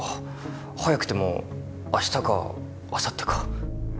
早くても明日かあさってか。